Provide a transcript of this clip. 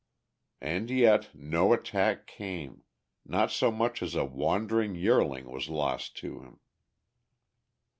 And yet no attack came, not so much as a wandering yearling was lost to him.